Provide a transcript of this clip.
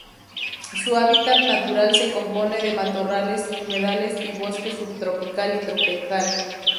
Su hábitat natural se compone de matorrales, humedales y bosque subtropical y tropical.